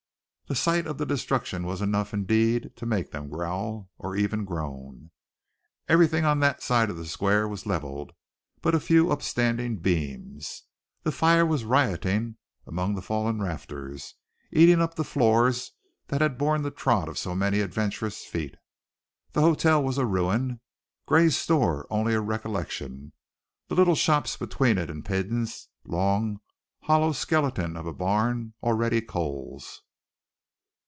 The sight of the destruction was enough, indeed, to make them growl, or even groan. Everything on that side of the square was leveled but a few upstanding beams, the fire was rioting among the fallen rafters, eating up the floors that had borne the trod of so many adventurous feet. The hotel was a ruin, Gray's store only a recollection, the little shops between it and Peden's long, hollow skeleton of a barn already coals.